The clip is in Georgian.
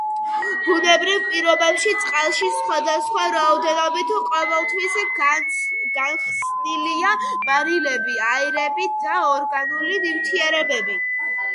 ბუნებრივ პირობებში წყალში სხვადასხვა რაოდენობით ყოველთვის გახსნილია მარილები, აირები და ორგანული ნივთიერებები.